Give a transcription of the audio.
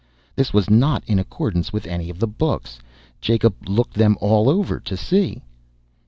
This was not in accordance with any of the books. Jacob looked them all over to see.